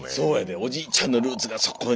おじいちゃんのルーツがそこに。